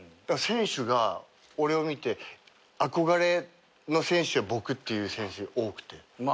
選手が俺を見て憧れの選手が僕っていう選手多くて。